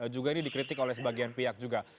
juga ini dikritik oleh sebagian pihak juga